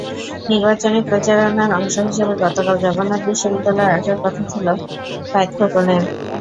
নির্বাচনী প্রচারণার অংশ হিসেবে গতকাল জগন্নাথ বিশ্ববিদ্যালয়ে আসার কথা ছিল সাঈদ খোকনের।